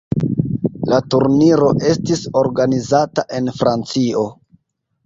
La turniro estis organizata en Francio.